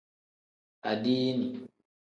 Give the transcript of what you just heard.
Adiini.